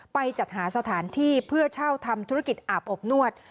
จัดหาสถานที่เพื่อเช่าทำธุรกิจอาบอบนวด